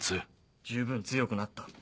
十分強くなった。